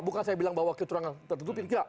bukan saya bilang bahwa kecurangan tertutup